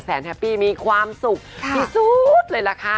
แฮปปี้มีความสุขที่สุดเลยล่ะค่ะ